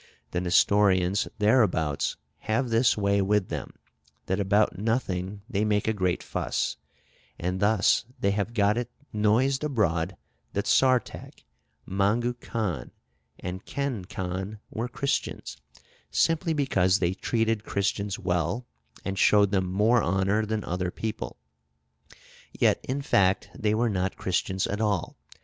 The Nestorians thereabouts have this way with them, that about nothing they make a great fuss, and thus they have got it noised abroad that Sartach, Mangu Khan, and Ken Khan were Christians, simply because they treated Christians well, and showed them more honor than other people. Yet, in fact, they were not Christians at all.